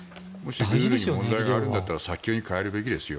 ルールに問題があるんだったら早急に変えるべきですよ。